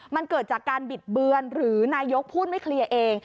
มันเกิดจากการบิดเบือนหรือนายกพูดไม่เคลียร์เอง